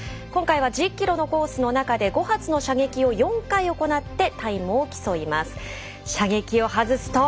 今回は１０ｋｍのコースの中で５発の射撃を４回行ってタイムを競います。